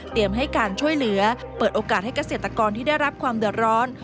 ให้การช่วยเหลือเปิดโอกาสให้เกษตรกรที่ได้รับความเดือดร้อน